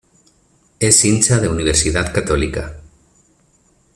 Es hincha de Universidad Católica.